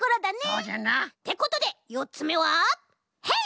そうじゃな。ってことで４つめはヘイ！